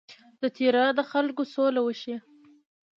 د تیرا د خلکو سوله وشي.